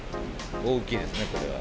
大きいですね、これは。